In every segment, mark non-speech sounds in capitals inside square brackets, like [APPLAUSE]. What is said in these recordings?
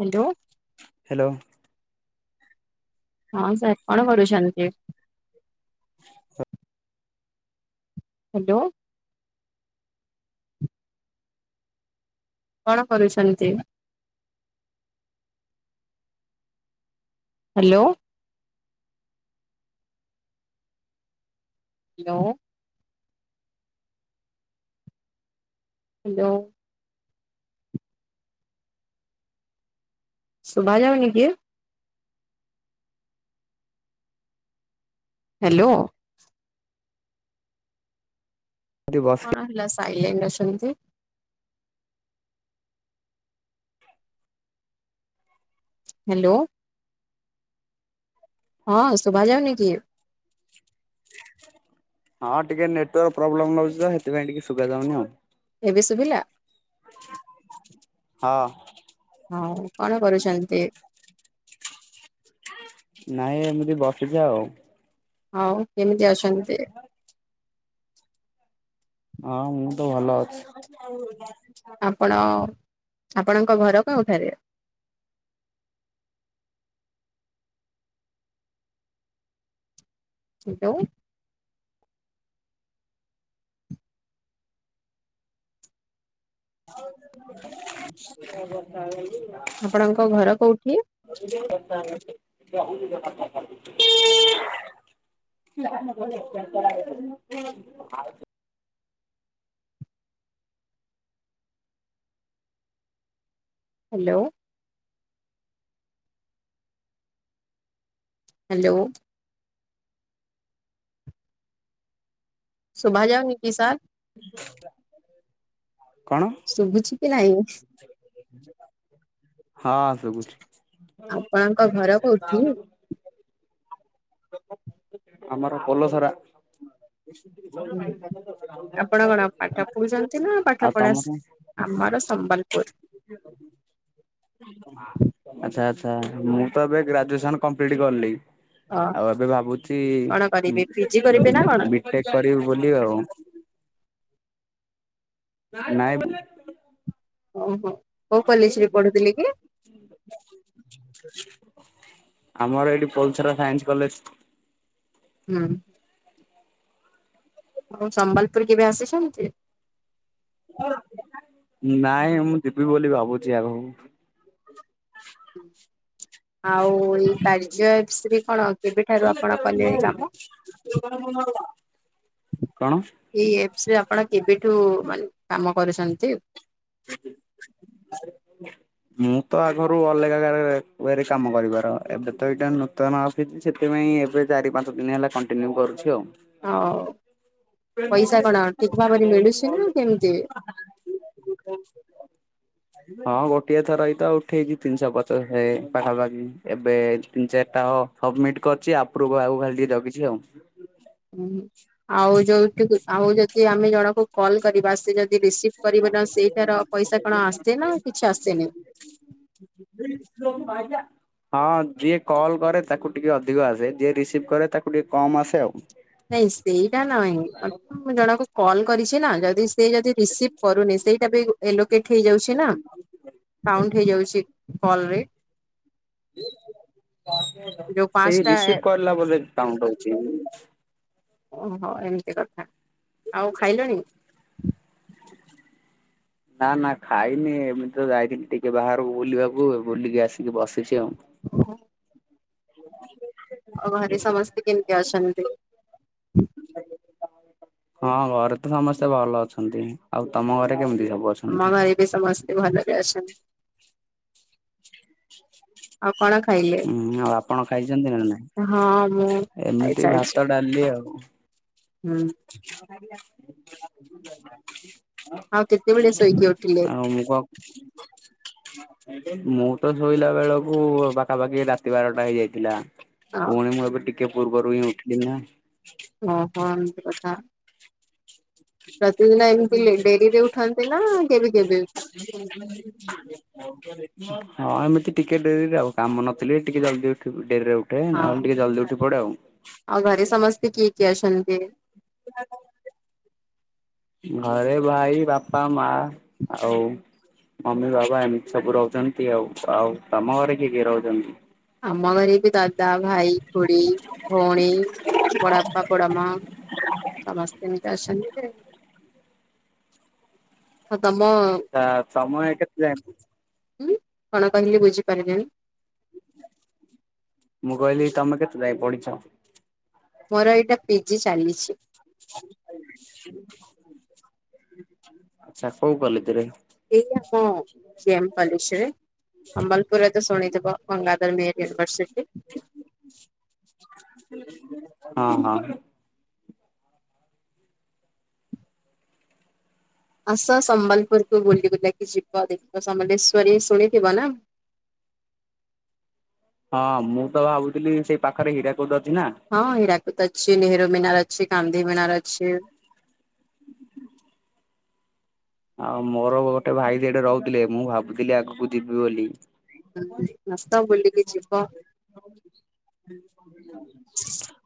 Hello. Hello. ହଁ sir କଣ କରୁଛନ୍ତି? ହ୍ୟାଲୋ। କଣ କରୁଛନ୍ତି? ହ୍ୟାଲୋ। ହ୍ୟାଲୋ। ହ୍ୟାଲୋ। ଶଭ ଯାଉନ କି? ହ୍ୟାଲୋ। ଏଠି ବସି କଣ ହେଲା ସାଇଲେଣ୍ଟ ଅଛନ୍ତି? ହ୍ୟାଲୋ। ହଁ ଶୁଭ ଯାଉନ କି? ହଁ ଟିକେ ନେଟୱାର୍କ ପ୍ରୋବ୍ଲେମ ରହୁଛି, ତ ସେଥିପାଇଁ ଟିକେ ସୁବିଧା ହଉନି ଆଉ। ଏବେ ଶୁଭିଲା ହଁ ହଁ। କଣ କରୁଛନ୍ତି? ନାଇଁ ଏମିତି ବସିଛି ଆଉ। ହଉ କେମିତି ଅଛନ୍ତି ଟେ ହଁ ମୁଁ ତ ଭଲ ଅଛି। ଆପଣ ଆପଣଙ୍କ ଘର କୋଉଠାରେ? ହ୍ୟାଲୋ। ହ ଆପଣଙ୍କ ଘର କୋଉଠି? ବଷ [UNINTELLIGIBLE] [UNINTELLIGIBLE] ହ୍ୟାଲୋ। ହ୍ୟାଲୋ। ଶଭ ଯାଉଙ୍ଗି କି ସାର୍? କଣ? ଶୁଭୁଛି କି ନାହିଁ? [UNINTELLIGIBLE] ହଁ ସବୁଛି। ଆପଣଙ୍କ ଘର କୋଉଠି? ଆମର ପଲ ସାରା [INAUDIBLE] ଆପଣ କଣ ପାଠ ପଢୁଛନ୍ତି ନା, ଆଉ ପାଠ ପଢା ଆମର ସମ୍ବଲପୁର [INAUDIBLE] ଆଛା ଆଛା ମୁଁ ତ ଏବେ ଗ୍ରାଜୁଏସନ କମ୍ପ୍ଲିଟଲି ହଁ ଆଉ ଏବେ ଭାବୁଛି କଣ କରିବେ ପିଜି କରିବେ ନା କଣ? ବିଟେକ୍ କରିବୁ ବୋଲି ଆଉ। ନାଇଁ। ଓହୋ। [INAUDIBLE] କୋଉ ଆମର କଲେଜରେ ପଢୁଥିଲେ କି ଏଇଠି ପୋଲସରା ସାଇନ୍ସ କଲେଜ। ହୁଁ। ହଁ ସମ୍ବଲପୁର କେବେ ଆସିଛନ୍ତି? ନାଇଁ ମୁଁ ଯିବି ବୋଲି ଭାବୁଛି ଆଗକୁ। ହୁଁ। ଏପ୍ସ ରେ କଣ [INAUDIBLE] କେବେଠାରୁ ଆପଣ କଲେଣି କାମ? [INAUDIBLE] କଣ? ଏଇ ଆପ୍ ରେ ଆପଣ କେବେଠୁ ମାନେ କାମ କରୁଛନ୍ତି? [INAUDIBLE] ମୁଁ ତ ଆଗୁରୁ ଅଲେଗା ଗାରେ ୱେରିଂ କାମ କରିବାର ଏବେ ଏଇଟା ନୂତନ ଅସିଛି ସେଥିପାଇଁ। ଏବେ ଚାରି ପାଞ୍ଚ ଦିନ ହେଲା କଣ୍ଟିନ୍ୟୁ କରୁଛି ଆଉ। ହଉ ପଇସା କଣ ଠିକ ଭାବରେ ମିଳୁଛି ନା କେମିତି? [UNINTELLIGIBLE] ହଁ ଗୋଟିଏ ଥର ଏଇତ ଉଠେଇଛି ତିନିଶହ ପଚାଶ ପାଖାପାଖି ଏବେ ତିନି ଚାରି ସବମିଟ କରିଛି ଆପୃଭ କୁ ଖାଲି ଟିକେ ଜଗିଛି ଆଉ। ହ ଆଉ ଜଉ ଠିକି ଆଉ ଯଦି ଆମେ ଜଣକୁ କଲ୍ କରିବା ସେ ଯଦି [INAUDIBLE] [INAUDIBLE] ରିସିଭ୍ ହଁ କରିବ ନା ସେଇଟାର ପଇସା କଣ ଆସେ ନା କିଛି ଆସେନି? ଯିଏ କଲ୍ କରେ ତାକୁ ଟିକେ ଅଧିକ ଆସେ, ଯିଏ ରିସିଭ୍ କରେ ତାକୁ ଟିକେ କମ୍ ଆସେ ଆଉ। ନାଇଁ ସେଇଟା ନହିଁ ମୁଁ ଜଣକୁ କଲ୍ କରିଛି ନା ଯଦି ସେ ସେ ଯଦି ରିସିଭ କରୁନି ସେଇଟା ବି ଏଲୋକେଟ ହେଇଯାଉଛି ନା? ସାଉଣ୍ଡ ହେଇଯାଉଛି କଲ ରେ। ଯୋଉ ସେଇ ପାଞ୍ଚଟା ରିସିଭ୍ କରିଲା ବୋଧେ କାଉଣ୍ଟ୍ ହଉଚି। ଓହୋ ଏମିତି କଥା ଆଉ ଖାଇଲଣି? ନା ନା ଖାଇନି ଏମିତି ତ ଯାଇଥିଲି ଟିକେ ବାହାରକୁ ବୁଲିବାକୁ, ବୁଲିକି ଆସିକି, ବସିଛି ଆଉ। [INAUDIBLE] [INAUDIBLE] ଘରେ ସମସ୍ତେ କେମିତି ଅଛନ୍ତି? [INAUDIBLE] ହଁ ଘରେ ତ ସମସ୍ତେ ଭଲ ଅଛନ୍ତି, ଆଉ ତମ ଘରେ କେମିତି? ସବୁ ଆମ ଅଛନ୍ତି? ଘରେ ବି ସମସ୍ତେ ଭଲରେ ଅଛନ୍ତି। [INAUDIBLE] ଆଉ କଣ ଖାଇଲେ ହୁଁ ଆଉ ଆପଣ ଖାଇଛନ୍ତି ନା ନାଇଁ? ହଁ ମୁଁ ଏମିତି ଖାଇସାରିଛି ଭାତ ଡାଲି ଆଉ ହୁଁ। [UNINTELLIGIBLE] [INAUDIBLE] ଆଉ କେତେବେଳେ ଶୋଇକି ଉଠିଲେ ଆଉ ମୁ କ ମୁଁ ତ ଶୋଇଲା ବେଳକୁ ପାଖାପାଖି ରାତି ବାରଟା ହେଇଯାଇଥିଲା। ହଁ ପୁଣି ମୁଁ ଏବେ ଟିକେ ପୂର୍ବରୁ ହିଁ ଉଠିଲି ନା। ଓହୋ ଏମିତି କଥା। ପ୍ରତିଦିନ ଏମିତି ଡେରିରେ ଉଠନ୍ତି ନା କେବେ କେବେ? ହଁ ଏମିତି ଟିକେ ଡେରିରେ ଆଉ କାମ ନଥିଲେ ଟିକେ ଜଲ୍ଦି ଉଠିବୁ। ହଁ ଆଉ ଘରେ ସମସ୍ତେ କିଏ କିଏ ଅଛନ୍ତି? [INAUDIBLE] ଘରେ ଭାଇ, ବାପା, ମାଁ ଆଉ ମମି, ବାପା ଏମିତି ସବୁ ରହୁଛନ୍ତି ଆଉ। ଆଉ ତମ ଘରେ କିଏ କିଏ ରହୁଛନ୍ତି? ଆମ ଘରେ ବି ଦାଦା, ଭାଇ, ଖୁଡ଼ି, ଭଉଣୀ, ବଡପପା ବଡ ମାଁ ସମସ୍ତେ ଏମିତି ଅଛନ୍ତି। ଆଉ ତମ ଆଛା [UNINTELLIGIBLE] ଉଁ କଣ କହିଲେ ବୁଝି ପାରିଲିନି? ମୁଁ କହିଲି ତମେ କେତେ ଯାଏ ପଢିଛ? ମୋର ଏଇଟା ପିଜି ଚାଲିଛି। [INAUDIBLE] ଆଛା କୋଉ କଲେଜ୍ ରେ? ଏଇ ଆମ ଜିଏମ୍ କଲେଜ୍ ରେ। ସମ୍ବଲପୁରରେ ତ ଶୁଣିଥିବ ବଙ୍ଗାଧର ମେହେର ୟୁନିଭରସିଟି। [INAUDIBLE] ହଁ ହଁ। ଆସ ସମ୍ବଲପୁରକୁ ବୁଲି ବୁଲାକି ଯିବ ଦେଖିବ ସମଲେଶ୍ଵରୀ ଶୁଣିଥିବ ନା? [INAUDIBLE] ହଁ ମୁଁ ତ ଭାବୁଥିଲି ସେଇ ପାଖରେ ହୀରା କୋଦ ହଁ ହୀରାକୁଦ ଅଛି ନେହେରୁ ମିନାର ଅଛି କାନ୍ଧି ମିନାର ଅଛି। ଆଉ ମୋର ଗୋଟେ ଭାଇ ଦିଟେ ରହୁଥିଲେ, ମୁଁ ଭାବୁଥିଲି ଆଗକୁ ଯିବି ବୋଲି। ହଁ ଆସ ବୁଲିକି ଯିବ।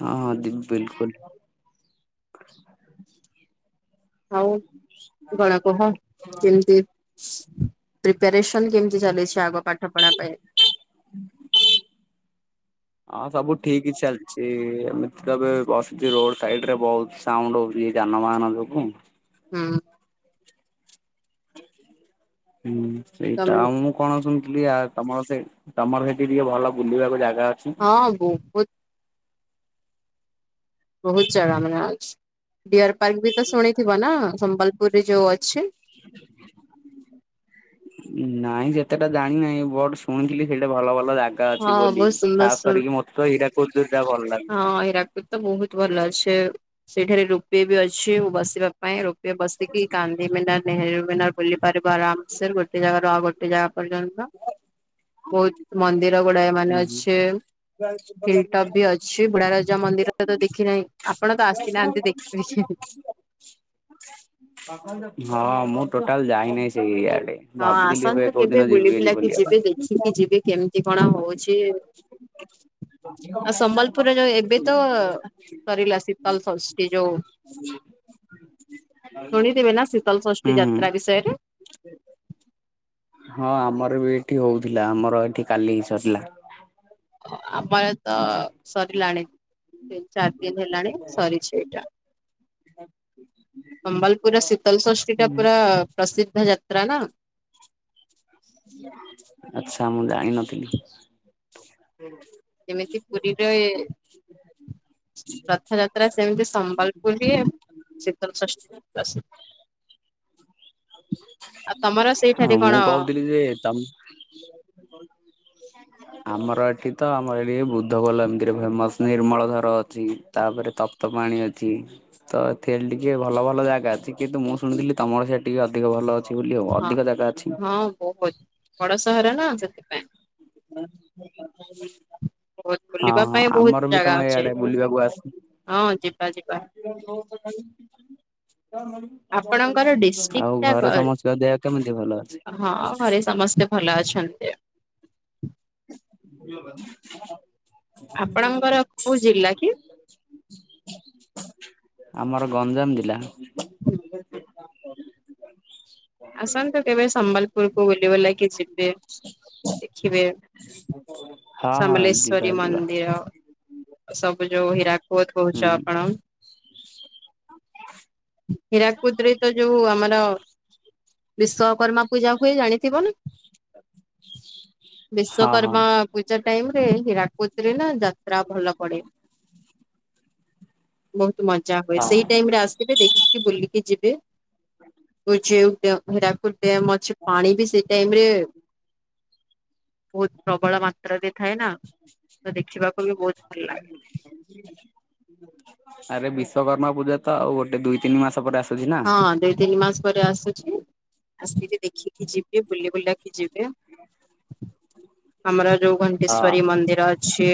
ହଁ। ହଁ ଯିବି ବିଲକୁଲ। ଆଉ କଣ କହ କେମିତି ପ୍ରପସନ୍ କେମତି ଚାଲିଛି ଆଗ ପାଠ ପଢା ପାଇଁ? ହଁ ସବୁ ଠିକ ଚାଲିଛି ଏମିତି ତ ବସୁଛି, ରୋଡ ସାଇଡ ରେ ବହୁତ ସାଉଣ୍ଡ ହଉଛି ଯାନବାହାନ ଯୋଗୁ। ହଁ। ହୁଁ ସେଇଟା ତମେ ଆଉ ମୁଁ କଣ ଶୁଣିଥିଲି, ଆ ତମର ସେ ତମର ସେଇଠି ଟିକେ ଭଲ ବୁଲିବାକୁ ଜାଗା ଅଛି? ହଁ ବାହୁତ ବହୁତ ଜାଗା ମାନେ ଅଛି, ଡିଅର ପାର୍କ ବି ତ ଶୁଣିଥିବ ନା ସମ୍ବଲପୁର ଉପରେ ଯୋଉ ଅଛି। ନାଇଁ ସେତେଟା ଜାଣିିନହିଁ ବଟ ଶୁଣିଥିଲି ସେଇଟା ଭଲ ଭଲ ଭଲ ଜାଗା ଅଛି, ହଁ ବୋଲି ବହୁତ ସୁନ୍ଦର ଖାସ୍ ସୁ କରିକି ମତେ ତ ହୀରାକୁ ଯା ଭଲ ଲାଗୁଛି। ହୁ ଭଲ ଅଛେ ସେଇଠାରେ ରୋପେ ବି ଅଛି ବସିବା ପାଇଁ ର ବସିକି କାନ୍ଧି ମିନାର ନେହେରୁ ମିନାର ବୁଲି ପାରିବ ଆରାମସର ଗୋଟେ ଜାଗାରୁ ଆଉ ଗୋଟେ ଜାଗା ପ ବହୁତ ମନ୍ଦିର ଗୁଡା ମାନେ ହୁଁ ହୁଁ। ଅଛି ହିଲ୍ଟପ୍ ବି ଅଛି ବୁଢାରଜା ମନ୍ଦିରରେ ତ ଦେଖିନାହିଁ, ଆପଣ ତ ଆସିନାହାନ୍ତି ଦେଖିବ ଦେଖ [INAUDIBLE] ହଁ ମୁଁ ଟୋଟାଲ ଯାଇନହିଁ ସେ ଭାବୁଥିଲି ଏବେ କୋଉ ଦିନ ଯିବି ବୋଲି। ବୁଲିବା ପାଇଁ। ଯିବି ଦେଖିକି ଯିବି କେମିତି କଣ ହଉଛି। ଆଉ ସମ୍ବଲପୁରରେ ଯୋଉ ଏବେ ତ [INAUDIBLE] ସରିଲା ଶୀତଲ ହୁଁ। ଶୁଣିଦେବେ ନା ହୁଁ ଶୀତଳଷଷ୍ଠୀ ହୁଁ ଯାତ୍ରା ବିଷୟରେ? ହଁ ଆମର ବି ଏଠି ହଉଥିଲା ଆମର ଏଠି କାଲି ସରିଲା। ଆମର ତ ସରିଲାଣି ତିନି ଚାରି ଦିନ ହେଲାଣି ସରିଛିଇଟା ସମ୍ବଲପୁର ଶୀତଲଷଷ୍ଠୀ ଟା ପୁରା ପ୍ରସିଦ୍ଧ ଯାତ୍ରା ନା। [INAUDIBLE] ଆଛା ମୁଁ ଜାଣିନଥିଲି। ଯେମିତି ପୁରୀରେ ରଥଯାତ୍ରା ସେମିତି ସମ୍ବଲପୁର ହୁ ଶୀତଲଷଷ୍ଠୀସ। ଆ କଣ ମୁଁ କହୁଥିଲି ଯେ ତମ [INAUDIBLE] ଆମର ଏଠି ତ ଆମର ଏଠି ବୁଦ୍ଧ କୋଲ ଏମିତିରେ ଫେମସ ନିର୍ମଳ ଧର ଅଛି ତାପରେ ତପ୍ତ ପାଣି ଅଛି ତ ସେ ଟିକେ ଭଲ ଭଲ ଜାଗା ଅଛି, କିନ୍ତୁ ମୁଁ ଶୁଣିଥିଲି ତମର ସେଇଠ ଟିକେ ଅଧିକ ଭଲ ଅଛି। ବୋଲି ଆଉ ହଁ ଅଧିକ ଜାଗା ଅଛି। ହଁ ବହୁତ ବଡ ସହର ନା ସେଥିପାଇଁ। ବହୁତ ହଁ ବୁଲିବା ହ ପାଇଁ ବହୁତ ଆମର ବି ଜାଗା ତମେ ଅଛି। ଏଇଆଡେ ବୁଲିବାକୁ ଆସ ହଁ ଯିବା ଯିବା ଆପଣଙ୍କର [INAUDIBLE] ଆଉ ଡିଷ୍ଟ୍ରିକ୍ଟ ଘରେ ଟା ସମସ୍ତଙ୍କ ଦେହ କେମିତି ଭଲ ଅଛି? ହଁ ଘରେ ସମସ୍ତେ ଭଲ ଅଛନ୍ତି। [INAUDIBLE] ଆପଣଙ୍କର କୋଉ ଜିଲ୍ଲା କି? ଆମର ଗଞ୍ଜାମ ଜିଲ୍ଲା। ହୁଁ। ଆସନ୍ତ ତୁ କେବେ ସମ୍ବଲପୁର କ ବୁଲିବୁଲା କିି ଯିବେ? ଦେଖିବେ ହଁ ହଁ ଯିବା ସମଲେଶ୍ଵରୀ ଯିବା ମନ୍ଦିର। ସବୁ ଯୋଉ ହୀରାକୁଦ କହୁଛ ହୁଁ ଆପଣ। ହୀରାକୁଦରେ ତ ଯୋଉ ଆମର ବିଶ୍ଵକର୍ମା ପୂଜା ହୁଏ ଜାଣିଥିବନି। ହଁ ହଁ। ବିଶ୍ଵକର୍ମା ପୂଜା ଟାଇମ ହୀରାକୁଦ ରେ ନା ଯାତ୍ରା ଭଲ ପଡେ ବ ମଜା ହୁଏ ସେଇ ହଁ। ଟାଇମ ରେ ଆସିବେ ଦେଖିକି ବୁଲିକି ଯିବେ। ଘରାପୁର ଡ୍ୟାମ ଅଛି ପାଣି ବି ସେଇ ଟାଇମରେ ବହୁତ ପ୍ରବଳ ମାତ୍ର ପତ୍ର ବି ଥାଏ ନା ତ ଦେଖିବାକୁ ବି ବହୁତ ଭଲ ଲାଗେ। ଆରେ ବିଶ୍ଵକର୍ମା ପୂଜା ତ ଆଉ ଗୋଟେ ଦୁଇ ତିନି ମାସ ପରେ ଆସ ହଁ ଦିଇ ତିନି ମାସ ପରେ ଆସୁଛି ଆସିକିରି ଦେଖି କି ଯିବେ ବୁଲି ବୁଲାବା କିି ଯିବେ। ଆମର ଯଉ ହଁ। ଘଣ୍ଟେଶ୍ଵରୀ ମନ୍ଦିର ଅଛି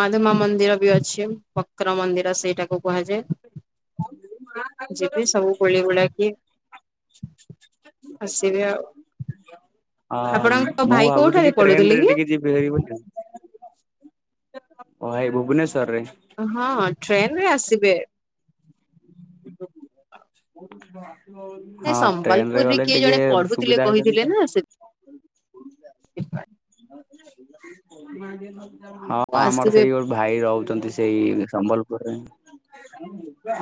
ମାଧୁମା ମନ୍ଦିର ବି ଅଛି ବକ୍ର ମନ୍ଦିର ସେଇଟାକୁ କୁହାଯାଏ। ଯିବେ ସବୁ ଗୋଳି ଗୋଳା କି ଆଉ [UNINTELLIGIBLE] ହ ଆପଣଙ୍କ ମୁଁ ଭାଇ ଭାବୁଥିଲି କୋଉଠାରେ ଟ୍ରେନ ପଢୁଥିଲେ ରେ କି? ଟିକେ ଯିବି ହାରିବୋଲି। ହ ଭାଇ ଭୁବନେଶ୍ ହଁ ଟ୍ରେନ ରେ ଆସିବେ। ହଁ, ନାଇଁ ହଁ ଟ୍ରେନ ରେ ସମ୍ବଲପୁରରେ ଗଲେ କିଏ ଟିକେ ଜଣେ ପଢୁଥିଲେ ସୁବିଧା ହେଇଥାନ୍ତା। ଠପଏ [INAUDIBLE] ହଁ ଆମର ଆସିବେ ସେଇ ଗୋଟେ ଭାଇ ରହୁଛନ୍ତି। ସେଇ ସମ୍ବଲପୁରରେ।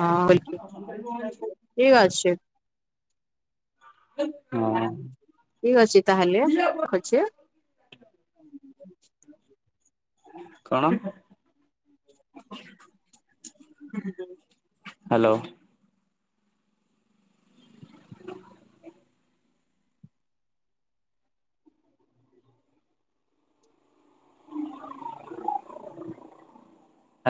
ହଁ ଠିକ ଅଛି ହଁ, ଠିକ ଅଛି ତାହେଲେ ନା [INAUDIBLE] ରଖୁଛି। କଣ, ହ୍ୟାଲୋ [UNINTELLIGIBLE] [INAUDIBLE]